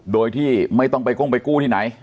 โดยที่ไม่ต้องไปกุ้งกูกูหนีไหน